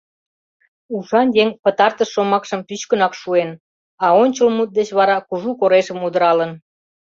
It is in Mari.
Ушан еҥ пытартыш шомакшым пӱчкынак шуэн, а ончыл мут деч вара кужу корешым удыралын.